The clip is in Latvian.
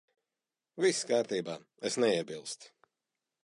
Viss kārtībā. Es neiebilstu.